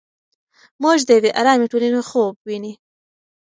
موږ د یوې ارامې ټولنې خوب ویني.